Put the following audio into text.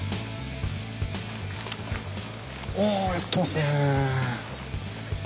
あやってますね。